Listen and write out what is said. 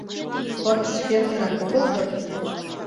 Пырыс фермерак огыл дыр?